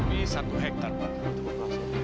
kurang lebih satu hektare pak